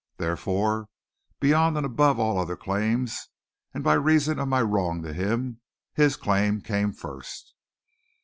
Therefore, beyond and above all other claims, and by reason of my wrong to him, his claim came first.